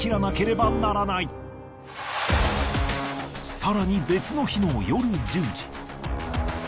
更に別の日の夜１０時。